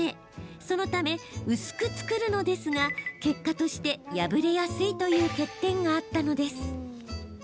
そのため薄く作るのですが結果として破れやすいという欠点があったのです。